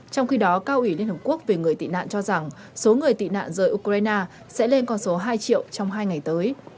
trong khi đó cao ủy liên hợp quốc về người tị nạn cho rằng số người tị nạn rời ukraine sẽ lên con số hai triệu trong hai ngày tới